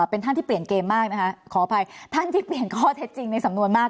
เป็นท่านที่เปลี่ยนเกมมากนะคะขออภัยท่านที่เปลี่ยนข้อเท็จจริงในสำนวนมาก